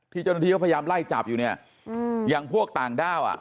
เจ้าหน้าที่เขาพยายามไล่จับอยู่เนี่ยอย่างพวกต่างด้าวอ่ะ